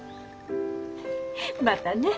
またね。